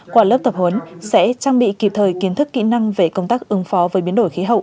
qua lớp tập huấn sẽ trang bị kịp thời kiến thức kỹ năng về công tác ứng phó với biến đổi khí hậu